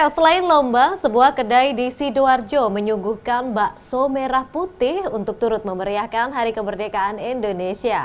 selain lomba sebuah kedai di sidoarjo menyuguhkan bakso merah putih untuk turut memeriahkan hari kemerdekaan indonesia